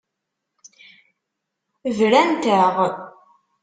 Brant-aɣ.